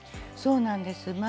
そうなんです。